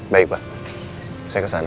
baik pa saya ke sana